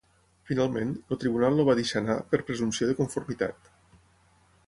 Finalment, el tribunal el va deixar anar per "presumpció de conformitat".